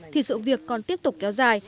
thì sự việc còn tiếp tục kéo dài